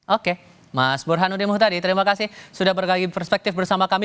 oke mas burhanuddin muhtadi terima kasih sudah berbagi perspektif bersama kami